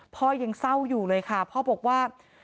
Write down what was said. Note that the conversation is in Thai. พ่อยังเศร้าอยู่เลยค่ะพ่อบอกว่า